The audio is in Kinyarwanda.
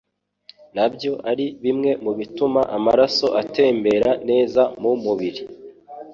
nabyo ari bimwe mu bituma amaraso atembera neza mu mubiri